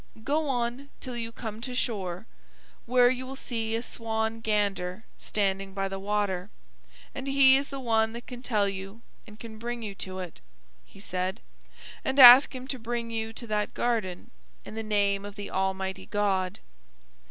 "Go on till you come to shore, where you will see a Swan Gander standing by the water, and he is the one that can tell you and can bring you to it," he said. "And ask him to bring you to that garden in the name of the Almighty God."